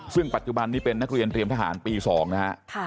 ซึ่งปัจจุบันนี้เป็นนักเรียนเตรียมทหารปี๒นะฮะ